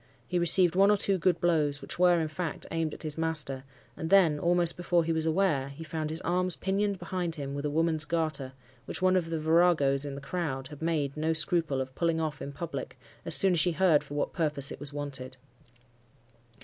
He received one or two good blows, which were, in fact, aimed at his master; and then, almost before he was aware, he found his arms pinioned behind him with a woman's garter, which one of the viragos in the crowd had made no scruple of pulling off in public, as soon as she heard for what purpose it was wanted.